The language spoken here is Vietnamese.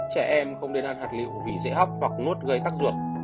trẻ em không nên ăn hạt liệu vì dễ hóc hoặc nuốt gây tác ruột